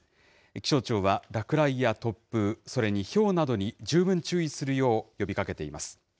気象庁は落雷や突風、それにひょうなどに十分注意するよう呼びかけています。